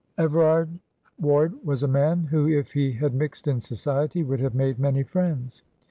Everard Ward was a man who if he had mixed in society would have made many friends.